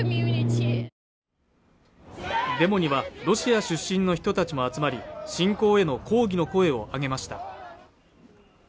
ロシア出身の人たちも集まり侵攻への抗議の声を上げました